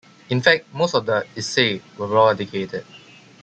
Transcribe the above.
In fact, most of the "Issei" were well-educated.